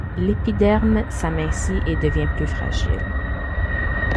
L'épiderme s'amincit et devient plus fragile.